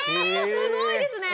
すごいですね。